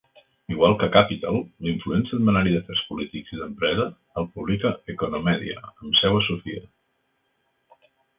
Igual que 'Capital', l'influent setmanari d'afers polítics i d'empresa, el publica Economedia, amb seu a Sofia.